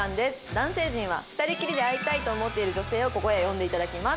男性陣は２人きりで会いたいと思っている女性をここへ呼んでいただきます。